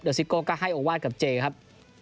ซิโก้ก็ให้โอวาสกับเจครับ